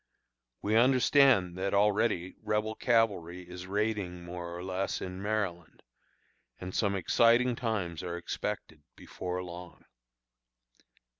We understand that already Rebel cavalry is raiding more or less in Maryland, and some exciting times are expected before long.